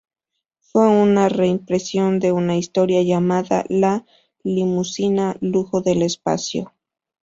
Fue una reimpresión de una historia llamada "La limusina lujo del espacio".